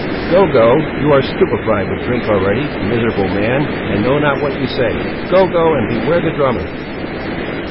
"Go, go; you are stupified with drink already, miserable man, and know not what you say. Go; go, and beware the drummer."